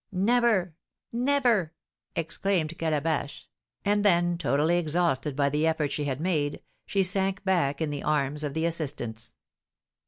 "Never, never!" exclaimed Calabash; and then, totally exhausted by the effort she had made, she sank back in the arms of the assistants.